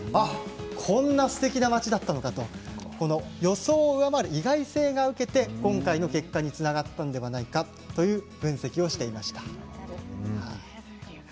こんなすてきな町だったのかと予想を上回る意外性が受けて今回の結果につながったのではないかと、分析していました。